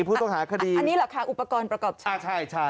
ผู้ต้องหาคดีอันนี้แหละค่ะอุปกรณ์ประกอบชีวิตอ่าใช่ใช่